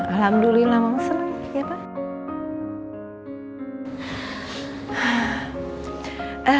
alhamdulillah memang senang ya pak